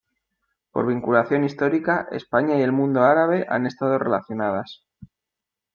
Por vinculación histórica, España y el mundo árabe, han estado relacionadas.